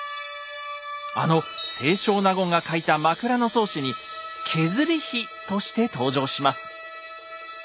あの清少納言が書いた「枕草子」に「削り氷」として登場します。